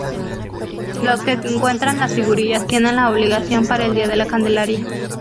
Los que encuentran las figurillas tienen la obligación para el día de la Candelaria.